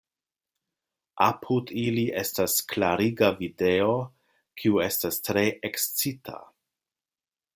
Apud ili estas klariga video, kiu estas tre ekscita.